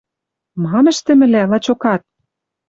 Мам ӹштӹмлӓ, лачокат?»